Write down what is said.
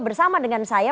bersama dengan saya